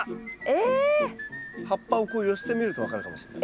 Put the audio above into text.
葉っぱをこう寄せてみると分かるかもしれない。